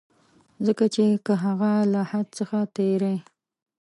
ځکه چي که هغه له حد څخه تېری.